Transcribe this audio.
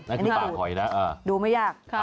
นั่นคือป่าหอยนะดูไม่ยาก